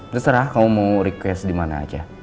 terserah kamu mau request dimana aja